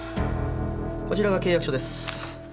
こちらが契約書です。